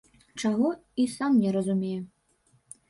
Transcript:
Чаго, і сам не разумею.